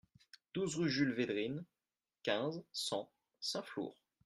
douze rue Jules Vedrines, quinze, cent, Saint-Flour